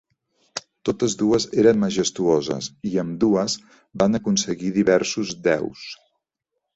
Totes dues eren majestuoses i ambdues van aconseguir diversos deus.